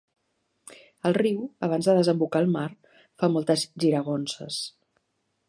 El riu, abans de desembocar al mar, fa moltes giragonses.